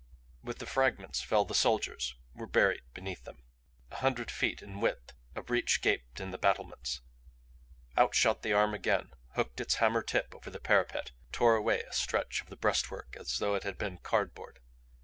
With the fragments fell the soldiers; were buried beneath them. A hundred feet in width a breach gaped in the battlements. Out shot the arm again; hooked its hammer tip over the parapet, tore away a stretch of the breastwork as though it had been cardboard.